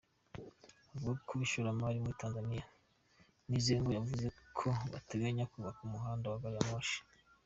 Avuga ku ishoramari muri Tanzania, Mizengo yavuze ko bateganya kubaka umuhanda wa gariyamoshi .